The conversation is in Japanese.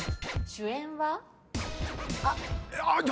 主演は？